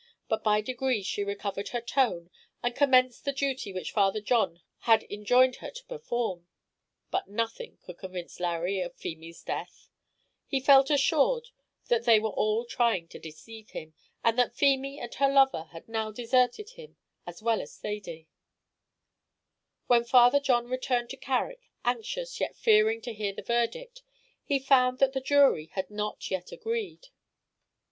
But by degrees she recovered her tone, and commenced the duty which Father John had enjoined her to perform; but nothing could convince Larry of Feemy's death; he felt assured that they were all trying to deceive him, and that Feemy and her lover had now deserted him as well as Thady. When Father John returned to Carrick, anxious, yet fearing to hear the verdict, he found that the jury had not yet agreed.